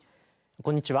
こんにちは。